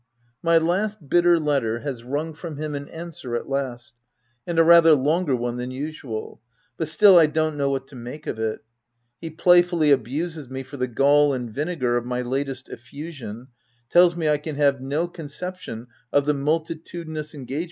— My last bitter letter has wrung from him an answer at last, — and a rather longer one than usual ; but still, I don't know what to make of it. He playfully abuses me for the gall and vinegar of my latest effusion, tells me I can have no conception of the multitudinous engage OF WILDFELL HALL.